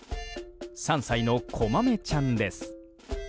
３歳のこまめちゃんです。